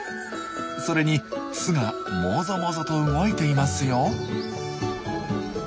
それに巣がもぞもぞと動いていますよ。